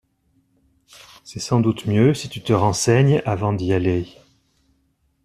C'est sans doute mieux si tu te renseignes avant d'y aller.